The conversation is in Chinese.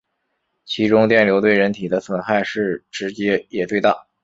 其中电流对人体的损害最直接也最大。